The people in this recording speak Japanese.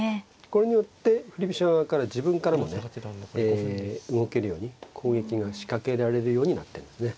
これによって振り飛車側から自分からもね動けるように攻撃が仕掛けられるようになってんですね。